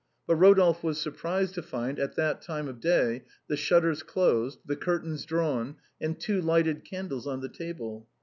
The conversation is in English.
But Ro dolphe was surprised to find at that time of day the shut ters closed, the curtains drawn, and two lighted candles on the table.